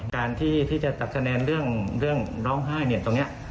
การที่จะตัดคะแนนเรื่องร้องไห้เนี่ยตรงนี้